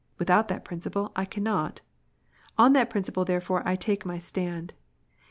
Without that principle I cannot. On that principle therefore I take my stand.